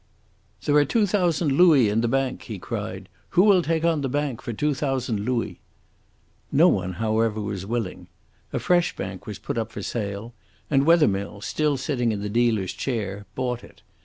"There are two thousand louis in the bank," he cried. "Who will take on the bank for two thousand louis?" No one, however, was willing. A fresh bank was put up for sale, and Wethermill, still sitting in the dealer's chair, bought it.